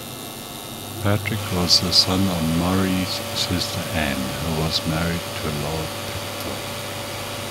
Patrick was the son of Murray's sister Anne who was married to Lord Pitfour.